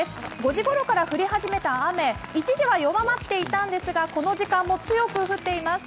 ５時ごろから降り始めた雨、一時は弱まっていたんですがこの時間も強く降っています。